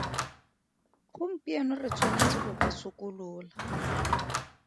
Gompieno re tshwanetse go ba sokolola.